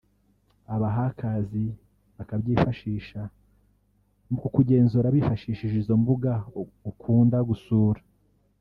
aba Hackers bakabyifashisha mu kukugenzura bifashishije izo mbuga ukunda gusura